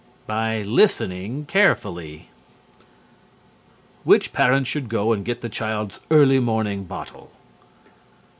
_ By listening carefully. _Which parent should go and get the child's early morning bottle?